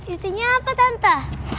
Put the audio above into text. isinya apa tante